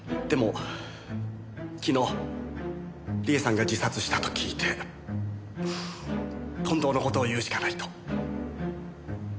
でも昨日理恵さんが自殺したと聞いて本当の事を言うしかないと。